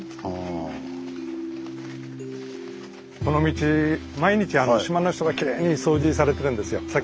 この道毎日島の人がきれいに掃除されてるんですよ。